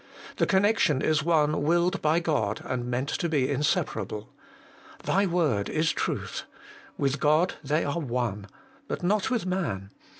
The connection is one willed by God and meant to be inseparable. ' Thy word is truth ;' with God they are one. But not with man.